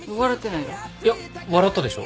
いや笑ったでしょ？